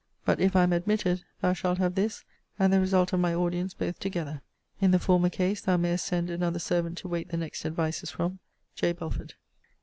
But, if I am admitted, thou shalt have this and the result of my audience both together. In the former case, thou mayest send another servant to wait the next advices from J. BELFORD.